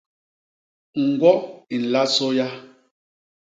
Ñgwo i nla sôya.